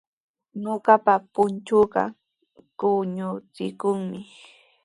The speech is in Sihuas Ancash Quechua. Ñuqapa punchuuqa quñuuchikunmi.